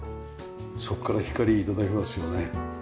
そこから光頂きますよね。